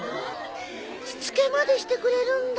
しつけまでしてくれるんだ。